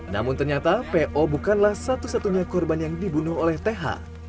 namun ternyata po bukanlah satu satunya korban yang dibunuh oleh th